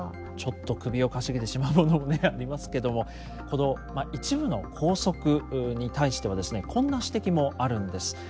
ちょっと首をかしげてしまうものもねありますけどもこの一部の校則に対してはですねこんな指摘もあるんです。